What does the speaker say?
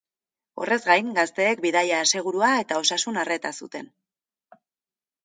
Horrez gain, gazteek bidaia-asegurua eta osasun-arreta zuten.